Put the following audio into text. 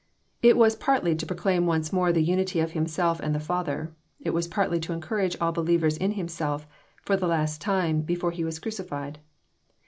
It was partly to proclaim JOHN, GHAF. xn. 377 once more the unity of Himself and the Father, it was partly to encourage all believers In Himself, for the last time, before He was cracified.